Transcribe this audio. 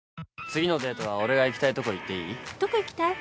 次のデートは俺が行きたいとこ行っていい？